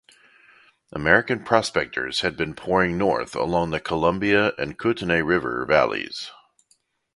American prospectors had been pouring north along the Columbia and Kootenay river valleys.